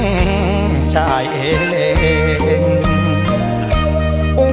อุบันติเหตุหัวหัวใจหุกรณีรักกันบ่มีส่องเองชายเอง